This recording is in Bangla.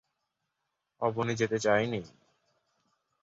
অবনী যেতে চায় নি।